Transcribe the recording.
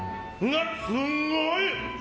すごい！